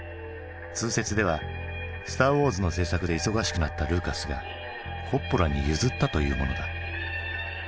通説では「スター・ウォーズ」の製作で忙しくなったルーカスがコッポラに譲ったというものだ。